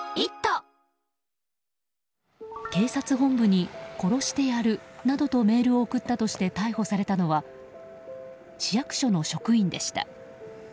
警察本部に殺してやるなどとメールを送ったとして逮捕されたのは市役所の職員でした。